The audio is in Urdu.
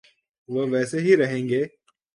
‘وہ ویسے ہی رہیں گے۔